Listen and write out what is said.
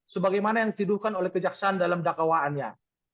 sebagaimana yang tidurkan oleh kejaksaan dalam dakawaannya